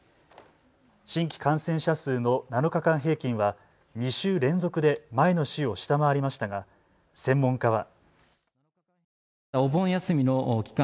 新規感染者数の７日間平均は２週連続で前の週を下回りましたが専門家は。